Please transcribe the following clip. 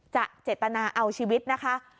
เจตนาเอาชีวิตนะคะ